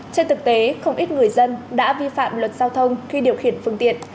trên thực tế không ít người dân đã vi phạm luật giao thông khi điều khiển phương tiện